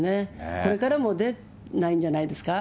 これからも出ないんじゃないですか。